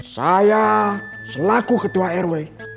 saya selaku ketua rw